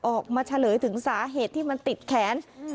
เฉลยถึงสาเหตุที่มันติดแขน